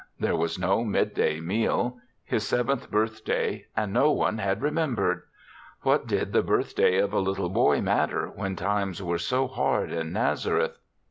There was no midday meal. His seventh birth day, and no one had remembered! What did the birthday of a little boy matter when times were so hard in Nazareth?